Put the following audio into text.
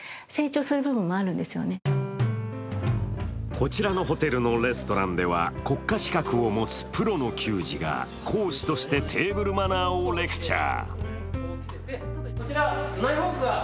こちらのホテルのレストランでは国家資格を持つプロの給仕が講師としてテーブルマナーをレクチャー。